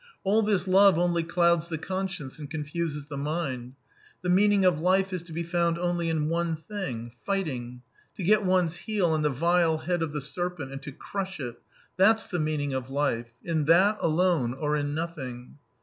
"All this love only clouds the conscience and confuses the mind. The meaning of life is to be found only in one thing fighting. To get one's heel on the vile head of the serpent and to crush it! That's the meaning of life. In that alone or in nothing."